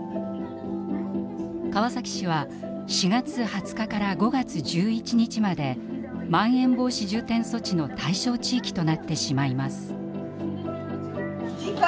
川崎市は４月２０日から５月１１日までまん延防止重点措置の対象地域となってしまいます。